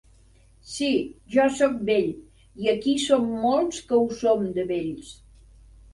Sí! Jo soc vell, i aquí som molts que ho som de vells...